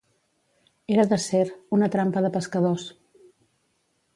Era d'acer, una trampa de pescadors.